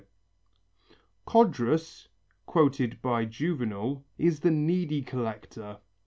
Codrus, quoted by Juvenal, is the needy collector.